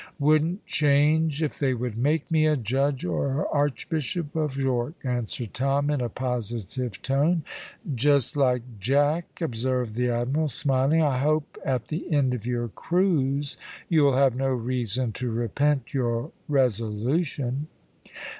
"Wouldn't change if they would make me a judge or Archbishop of York," answered Tom, in a positive tone. "Just like Jack," observed the Admiral, smiling, "I hope at the end of your cruise you'll have no reason to repent your resolution."